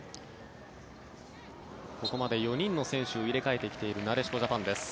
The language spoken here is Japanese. ここまで４人の選手を入れ替えてきているなでしこジャパンです。